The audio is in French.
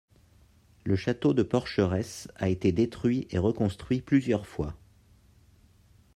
Le château de Porcheresse a été détruit et reconstruit plusieurs fois.